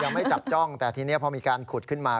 ไม่จับจ้องแต่ทีนี้พอมีการขุดขึ้นมา